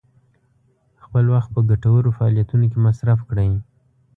خپل وخت په ګټورو فعالیتونو کې مصرف کړئ.